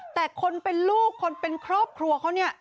แต่คนเป็นลูกคนเป็นครอบครัวเขาเนี่ย